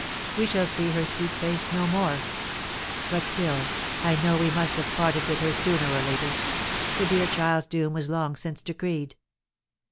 We shall see her sweet face no more; but still, I know we must have parted with her sooner or later; the dear child's doom was long since decreed!"